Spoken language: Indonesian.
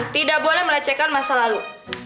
tidak boleh melecehkan masa lalu